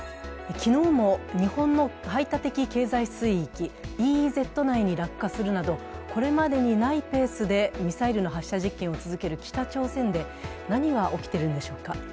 昨日も日本の排他的経済水域＝ＥＥＺ内に落下するなど、これまでにないペースでミサイルの発射実験を続ける北朝鮮で何が起きているのでしょうか。